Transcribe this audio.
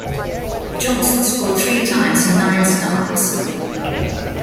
Johnson scored three times in nine starts.